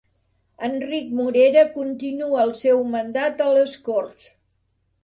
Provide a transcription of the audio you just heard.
Enric Morera continua el seu mandat a les Corts